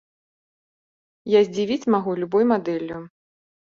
Я здзівіць магу любой мадэллю.